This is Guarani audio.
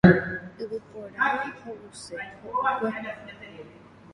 Yvypóra ho'use ho'okue.